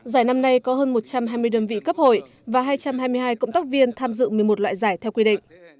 giải năm nay có hơn một trăm hai mươi đơn vị cấp hội và hai trăm hai mươi hai cộng tác viên tham dự một mươi một loại giải theo quy định